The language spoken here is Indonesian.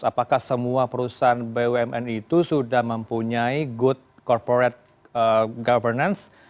apakah semua perusahaan bumn itu sudah mempunyai good corporate governance